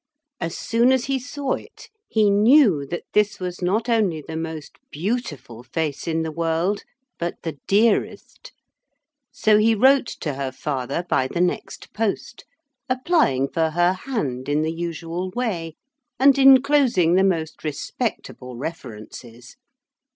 As soon as he saw it he knew that this was not only the most beautiful face in the world, but the dearest, so he wrote to her father by the next post applying for her hand in the usual way and enclosing the most respectable references.